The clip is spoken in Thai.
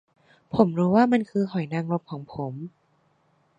ผมรู้ว่ามันคือหอยนางรมของผม